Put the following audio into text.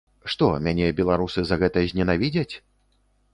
Што, мяне беларусы за гэта зненавідзяць?